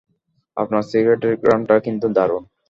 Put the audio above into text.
আপনার সিগারেটের ঘ্রাণটা কিন্তু দারুণ।